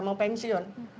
saya mau pensiun